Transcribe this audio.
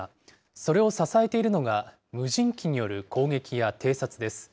それを支えているのが、無人機による攻撃や偵察です。